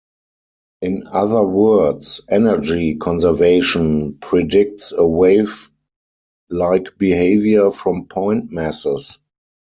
In other words, energy conservation predicts a wave-like behavior from point-masses.